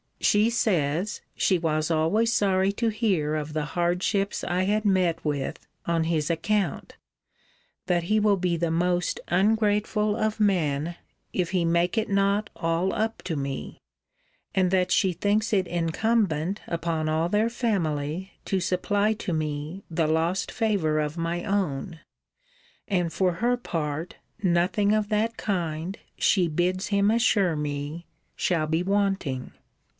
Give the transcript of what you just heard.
She says, 'she was always sorry to hear of the hardships I had met with on his account: that he will be the most ungrateful of men, if he make it not all up to me: and that she thinks it incumbent upon all their family to supply to me the lost favour of my own: and, for her part, nothing of that kind, she bids him assure me, shall be wanting.'